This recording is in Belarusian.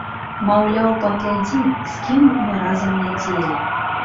Маўляў, паглядзі з кім мы разам ляцелі.